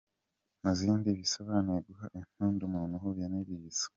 Mu iri zina bisobanuye guha impundu umuntu uhuye n’ibyiza.